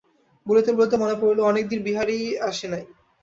বলিতে বলিতে মনে পড়িল, অনেক দিন বিহারী আসে নাই।